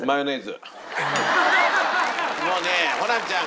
もうねホランちゃん